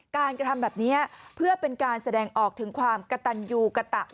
การกระทำแบบเนี่ยเพื่อเป็นการแสดงออกถึงความกระตัญญูกระตะประโยชน์